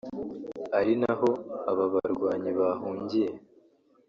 ari naho aba barwanyi bahungiye